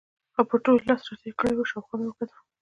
خو پر ټولو یې لاس را تېر کړی و، شاوخوا مې وکتل.